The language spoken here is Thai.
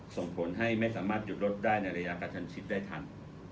ส่งผลให้ไม่สามารถหยุดรถได้ในระยะกระชันชิดได้ทัน